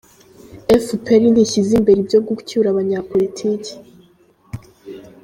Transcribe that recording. Efuperi ntishyize imbere ibyo gucyura abanyapolitiki